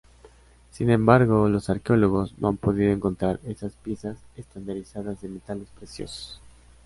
Sin embargo, los arqueólogos no han podido encontrar esas piezas estandarizadas de metales preciosos.